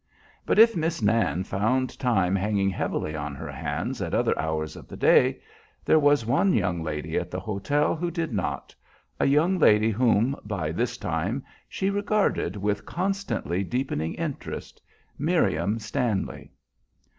But if Miss Nan found time hanging heavily on her hands at other hours of the day, there was one young lady at the hotel who did not, a young lady whom, by this time, she regarded with constantly deepening interest, Miriam Stanley.